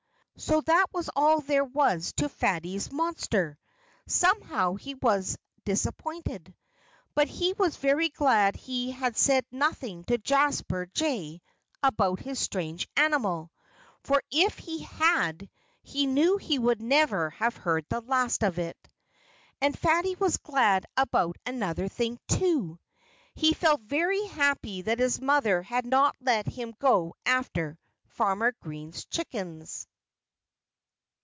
So that was all there was to Fatty's monster. Somehow, he was disappointed. But he was very glad he had said nothing to Jasper Jay about his strange animal. For if he had, he knew he would never have heard the last of it. And Fatty was glad about another thing, too. He felt very happy that his mother had not let him go after Farmer Green's chickens.